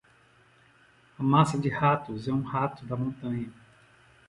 A massa de ratos é um rato da montanha.